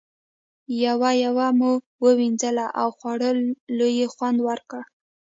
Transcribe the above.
یوه یوه مو ووینځله او خوړلو یې خوند وکړ.